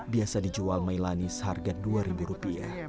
biasa dijual mailani seharga rp dua